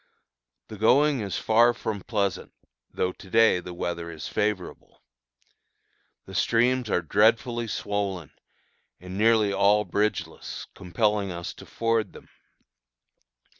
The going is far from pleasant, though to day the weather is favorable. The streams are dreadfully swollen and nearly all bridgeless, compelling us to ford them.